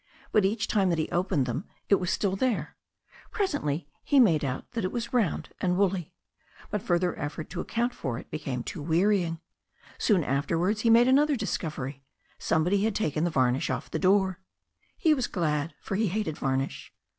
But each time that he opened them it was still there. Presently he made out that it was round and woolly. But further efiFort to account for it became too wearying. Soon afterwards he made another discovery — somebody had taken the varnish off the door. He was glad, for he hated varnish.